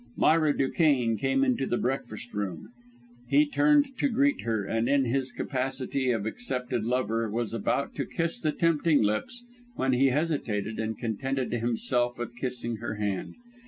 Myra Duquesne came into the breakfast room. He turned to greet her, and, in his capacity of accepted lover, was about to kiss the tempting lips, when he hesitated and contented himself with kissing her hand.